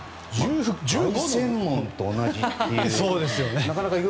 凱旋門と同じという。